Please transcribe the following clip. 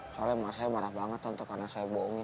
soalnya emak saya marah banget tante karena saya bohongin